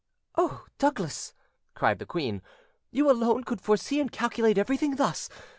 "Oh, Douglas," cried the queen, "you alone could foresee and calculate everything thus.